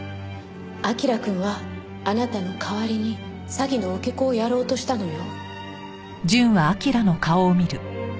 彬くんはあなたの代わりに詐欺の受け子をやろうとしたのよ。